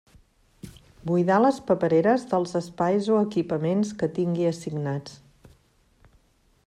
Buidar les papereres dels espais o equipaments que tingui assignats.